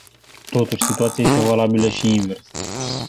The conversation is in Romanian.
Totuși, situația este valabilă și invers.